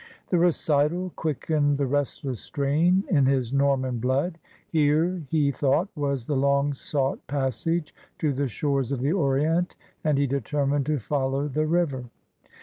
'* The recital quickened the restless strain in his Norman blood. Here, he 102 CRUSADERS OP NEW FRANCE thoughtt was the long sought passage to the shores of the Orient, and he determined to follow the river.